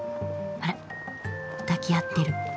あらっ抱き合ってる。